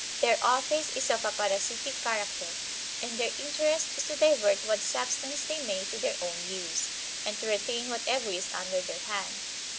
Their office is of a parasitic character, and their interest is to divert what substance they may to their own use, and to retain whatever is under their hand.